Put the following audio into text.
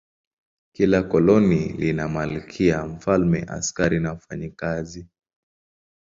Kila koloni lina malkia, mfalme, askari na wafanyakazi.